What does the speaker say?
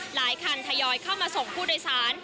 หลายคันทยอยเข้ามาส่งผู้โดยสาร